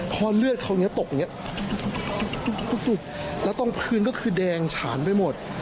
พอเลือดเขานี้ตกอย่างเงี้ยตุ๊บแล้วต้องพื้นก็คือแดงฉานไปหมด